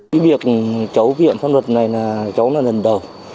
vì việc cháu vi phạm pháp luật này là cháu là lần đầu